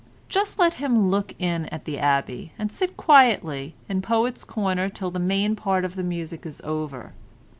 Just let him look in at the Abbey, and sit quietly in Poets' Corner till the main part of the music is over.